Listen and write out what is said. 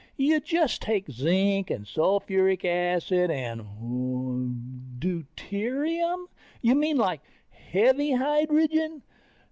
You just take zinc and sulfuric acid and ... Deuterium? You mean like heavy hydrogen?